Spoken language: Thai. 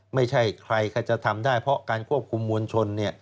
ไม่ใช่ใครใครจะทำได้เพราะการควบคุมมวลชน